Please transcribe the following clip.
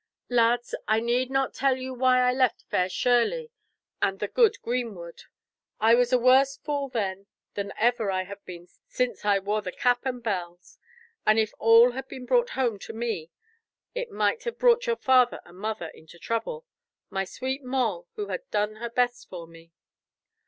"Lads, I need not tell you why I left fair Shirley and the good greenwood. I was a worse fool then than ever I have been since I wore the cap and bells, and if all had been brought home to me, it might have brought your father and mother into trouble—my sweet Moll who had done her best for me.